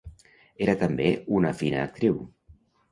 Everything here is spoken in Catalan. Era també una fina actriu.